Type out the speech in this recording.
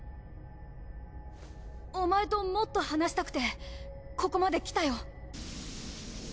お前ともっと話したくてここまで来たよ。